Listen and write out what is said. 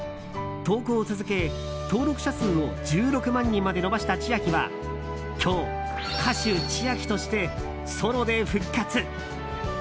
投稿を続け登録者数を１６万人にまで伸ばした千秋は今日、歌手ｃｈｉａｋｉとしてソロで復活。